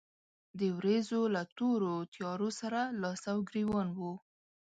د ورېځو له تورو تيارو سره لاس او ګرېوان و.